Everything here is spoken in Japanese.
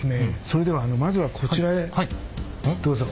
それではまずはこちらへどうぞ。